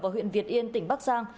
và huyện việt yên tỉnh bắc giang